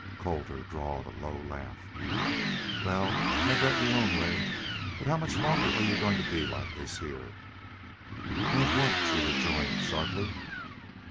Colter drawled a low laugh. "Wal, have that your own way. But how much longer are yu goin' to be like this heah?" "Like what?" she rejoined, sharply.